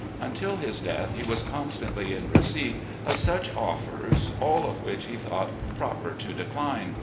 Until his death, he was constantly in receipt of such offers, all of which he thought proper to decline.